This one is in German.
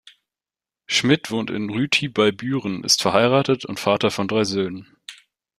Schmid wohnt in Rüti bei Büren, ist verheiratet und Vater von drei Söhnen.